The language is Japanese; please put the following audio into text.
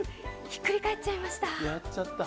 ひっくり返っちゃいました。